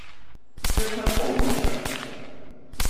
一匹布咁長